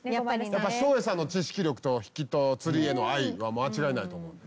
やっぱ照英さんの知識力と引きと釣りへの愛は間違いないと思う。